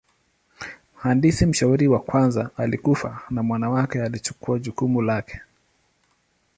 Mhandisi mshauri wa kwanza alikufa na mwana wake alichukua jukumu lake.